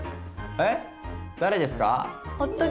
え⁉誰ですか？